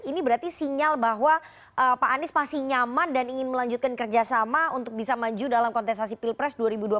ini berarti sinyal bahwa pak anies masih nyaman dan ingin melanjutkan kerjasama untuk bisa maju dalam kontestasi pilpres dua ribu dua puluh